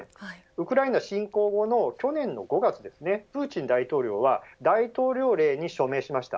ウクライナ侵攻後の去年の５月、プーチン大統領は大統領令に署名しました。